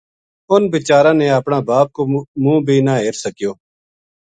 اُنھ بچاراں نے اپنا باپ کو منہ بے نہ ہیر سکیو